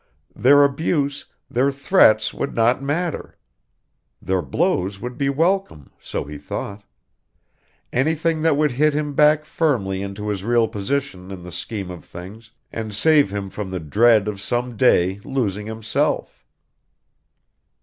Their abuse, their threats would not matter. Their blows would be welcome, so he thought. Anything that would hit him back firmly into his real position in the scheme of things and save him from the dread of some day losing himself.